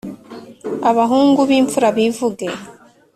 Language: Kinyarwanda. Abahungu b'imfura bivuge